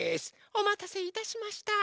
おまたせいたしました。